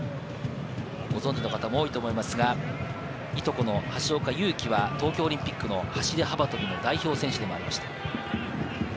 ご存じの方も多いと思いますが、いとこの橋岡優輝は東京オリンピックの走り幅跳びの代表選手でした。